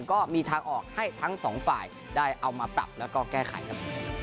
ก็มีทางออกให้ทั้งสองฝ่ายได้เอามาปรับแล้วก็แก้ไขครับ